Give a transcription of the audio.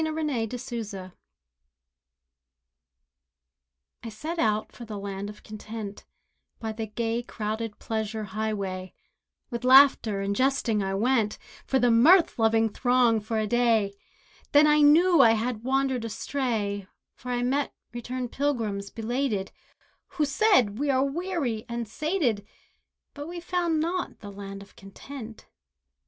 THE LAND OF CONTENT I set out for the Land of Content, By the gay crowded pleasure highway, With laughter, and jesting, I went With the mirth loving throng for a day; Then I knew I had wandered astray, For I met returned pilgrims, belated, Who said, "We are weary and sated, But we found not the Land of Content."